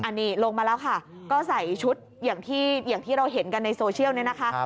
อันนี้ลงมาแล้วค่ะก็ใส่ชุดอย่างที่เราเห็นกันในโซเชียลเนี่ยนะคะ